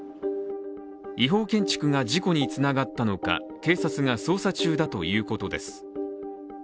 違法建築が事故につながったのか警察が捜査中だということです。